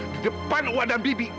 di depan wak dan bibi